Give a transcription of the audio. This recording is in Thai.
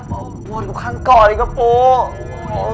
บอสมุทรข้างก่อนอีกหวะปู